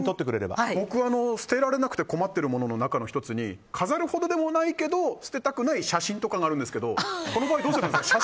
僕は捨てられなくて困ってるものの１つに飾るほどではないけど捨てたくない写真とかがあるんですけどこの場合どうしたらいいんですか。